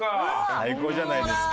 最高じゃないですか。